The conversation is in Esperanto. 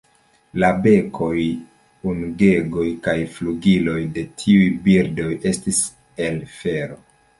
La bekoj, ungegoj kaj flugiloj de tiuj birdoj estis el fero.